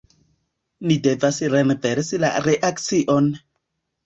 Ni devas renversi la reakcion!